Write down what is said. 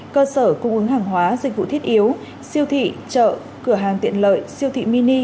cơ sở cung ứng hàng hóa dịch vụ thiết yếu siêu thị chợ cửa hàng tiện lợi siêu thị mini